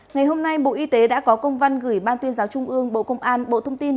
ngày hôm nay bộ y tế đã có công văn gửi ban tuyên giáo trung ương bộ công an bộ thông tin